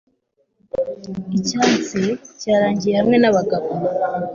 Icyatsi cyarangiye hamwe nabagabo